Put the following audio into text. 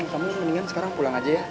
kamu mendingan sekarang pulang aja ya